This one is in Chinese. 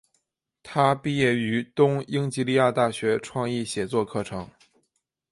她毕业于东英吉利亚大学创意写作课程。